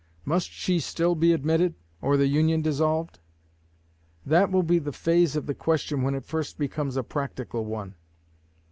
Must she still be admitted, or the Union dissolved? That will be the phase of the question when it first becomes a practical one.